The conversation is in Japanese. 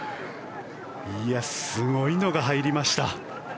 すごいのが入りました。